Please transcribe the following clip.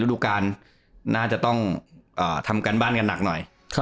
รูปการณ์น่าจะต้องอ่าทำการบ้านกันหนักหน่อยครับ